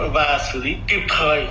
và xử lý kịp thời